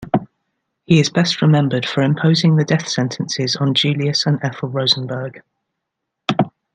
He is best remembered for imposing the death sentences on Julius and Ethel Rosenberg.